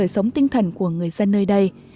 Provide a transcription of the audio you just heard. sống tinh thần của người dân nơi đây